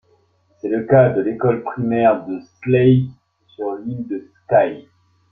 C'est le cas de l'école primaire de Slèite sur l'île de Skye.